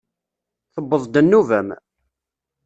Tewweḍ-d nnuba-m!